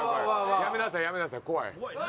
やめなさいやめなさい怖い。